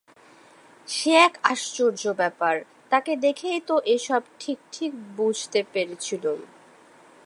সে এক আশ্চর্য ব্যাপার! তাঁকে দেখেই তো এ-সব ঠিক ঠিক বুঝতে পেরেছিলুম।